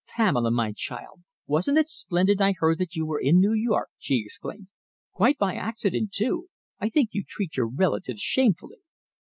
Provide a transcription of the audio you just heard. "Pamela, my child, wasn't it splendid I heard that you were in New York!" she exclaimed. "Quite by accident, too. I think you treat your relatives shamefully."